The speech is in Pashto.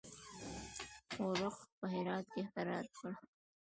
ښورښ په هرات کې کرار کړ.